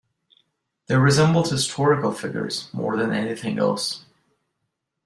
They resembled historical figures more than anything else.